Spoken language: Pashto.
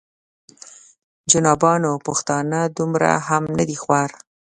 جنابانو پښتانه دومره هم نه دي خوار.